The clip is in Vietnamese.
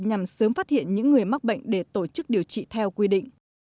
nhằm sớm phát hiện những người mắc bệnh để tổ chức điều trị theo quy định